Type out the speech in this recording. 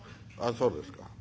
「あそうですか」。